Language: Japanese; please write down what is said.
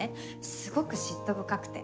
すごく嫉妬深くて。